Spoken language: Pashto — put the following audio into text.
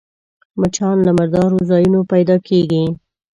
مچان له مردارو ځایونو پيدا کېږي